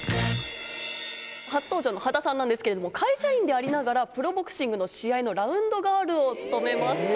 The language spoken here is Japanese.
初登場の波田さんなんですけれども、会社員でありながら、プロボクシングの試合のラウンドガールを務めました。